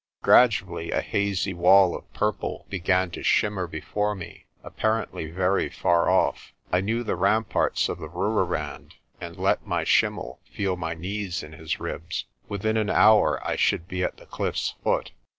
Gradually a hazy wall of purple began to shimmer before me, apparently very far off. I knew the ramparts of the Rooirand, and let my schimmel feel my knees in his ribs. Within an hour I should be at the cliff's foot.